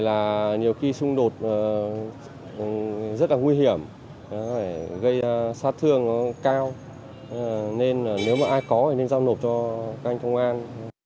là nhiều khi xung đột rất là nguy hiểm gây sát thương nó cao nên nếu mà ai có thì nên giao nộp cho các anh công an